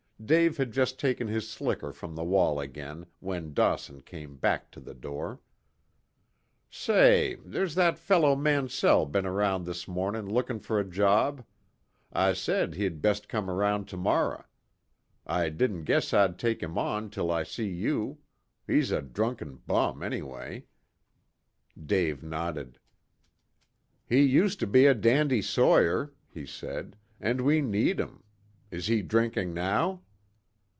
Dave had just taken his slicker from the wall again when Dawson came back to the door. "Say, ther's that feller Mansell been around this mornin' lookin' fer a job. I sed he'd best come around to morrer. I didn't guess I'd take him on till I see you. He's a drunken bum anyway." Dave nodded. "He used to be a dandy sawyer," he said, "and we need 'em. Is he drinking now?"